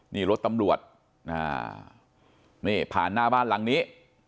นี่รถตำรวจนี่ผ่านหน้าบ้านหลังนี้